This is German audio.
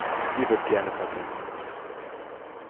Die wird gerne vergessen.